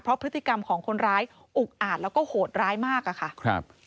เพราะพฤติกรรมของคนร้ายอุกอาจแล้วก็โหดร้ายมากอะค่ะครับ